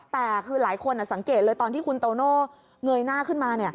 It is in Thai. แต่คือหลายคนสังเกตเลยตอนที่คุณโตโน่เงยหน้าขึ้นมา